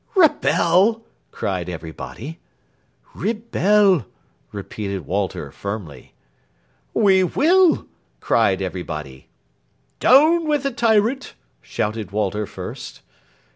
"Rebel?" cried everybody. "Rebel!" repeated Walter firmly. "We will!" cried everybody. "Down with the tyrant!" shouted Walter Fürst.